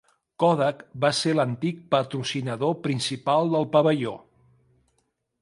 Kodak va ser l'antic patrocinador principal del pavelló.